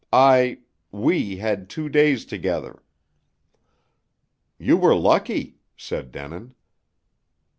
I we had two days together." "You were lucky," said Denin.